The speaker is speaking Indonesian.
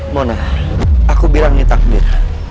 mona aku bilang ini takdir